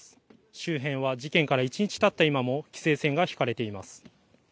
周辺は事件から一日たった今も規制線が引かれています。